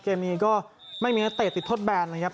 เกมนี้ก็ไม่มีนักเตะติดทดแบนนะครับ